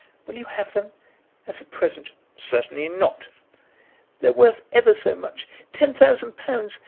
"Will you have them, as a present?" "Certainly not." "They're worth ever so much; ten thousand pounds!